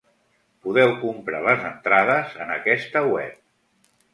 Podeu comprar les entrades en aquesta web.